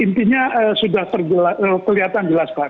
intinya sudah kelihatan jelas pak